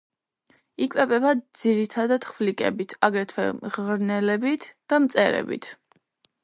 იკვებება ძირითადად ხვლიკებით, აგრეთვე მღრღნელებით და მწერებით.